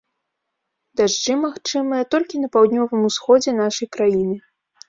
Дажджы магчымыя толькі на паўднёвым усходзе нашай краіны.